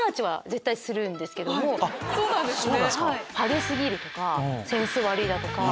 そうなんですね。